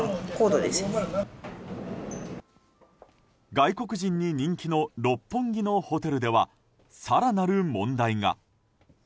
外国人に人気の六本木のホテルでは更なる問題が。